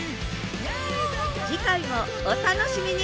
次回もお楽しみに！